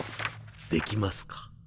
できますか？